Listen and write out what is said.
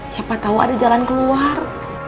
siapa tahu ada jalan keluar